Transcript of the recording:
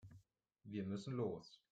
Wir müssen los.